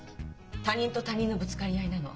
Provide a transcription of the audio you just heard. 他人と他人のぶつかり合いなの。